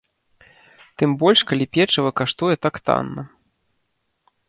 Тым больш калі печыва каштуе так танна.